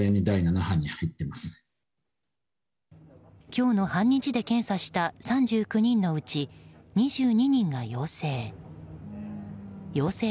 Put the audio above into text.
今日の半日で検査した３９人のうち２２人が陽性。